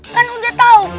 kan udah tau